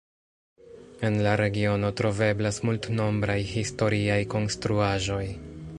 En la regiono troveblas multnombraj historiaj konstruaĵoj.